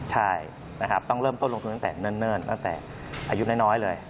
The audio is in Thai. ใช่นะครับต้องเริ่มต้นลงทุนตั้งแต่เนิ่นตั้งแต่อายุน้อยเลย